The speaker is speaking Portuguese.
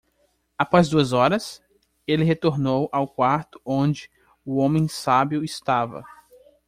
Após duas horas?, ele retornou ao quarto onde o homem sábio estava.